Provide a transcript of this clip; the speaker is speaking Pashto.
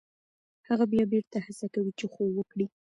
هغه بیا بېرته هڅه کوي چې خوب وکړي.